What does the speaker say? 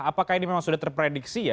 apakah ini memang sudah terprediksi ya